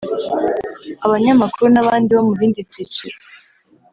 abanyamakuru n’abandi bo mu bindi byiciro